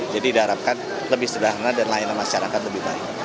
jadi diharapkan lebih sederhana dan layanan masyarakat lebih baik